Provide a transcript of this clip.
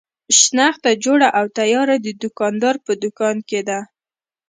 شنخته جوړه او تیاره د دوکاندار په دوکان کې ده.